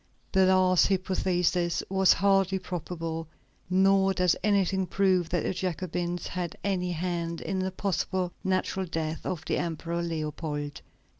The last hypothesis was hardly probable, nor does anything prove that the Jacobins had any hand in the possibly natural death of the Emperor Leopold.